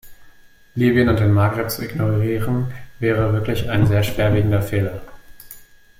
Libyen und den Maghreb zu ignorieren, wäre wirklich ein sehr schwerwiegender Fehler.